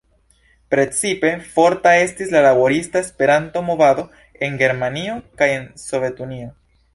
Precipe forta estis la laborista Esperanto-movado en Germanio kaj en Sovetunio.